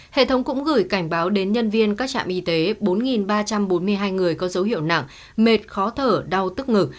hệ thống cũng gửi cảnh báo đến nhân viên các trạm y tế bốn ba trăm bốn mươi hai người có dấu hiệu nặng mệt khó thở đau tức ngực